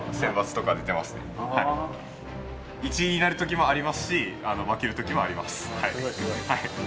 １位になる時もありますし負ける時もあります。